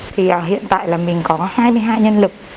thì hiện tại là mình có hai mươi hai nhân lực